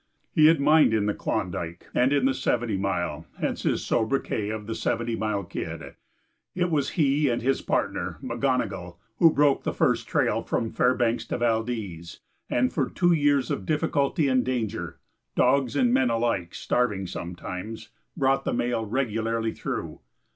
He had mined in the Klondike and in the Seventy Mile (hence his sobriquet of "The Seventy Mile Kid"). It was he and his partner, McGonogill, who broke the first trail from Fairbanks to Valdez and for two years of difficulty and danger dogs and men alike starving sometimes brought the mail regularly through.